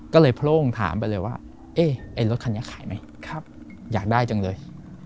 ก็เลยโพร่งถามไปเลยว่าไอ้รถคันนี้ขายไหมอยากได้จังเลย